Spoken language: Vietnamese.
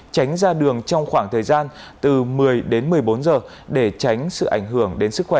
tránh ra đường trong khoảng thời gian từ một mươi đến một mươi bốn giờ để tránh sự ảnh hưởng đến sức khỏe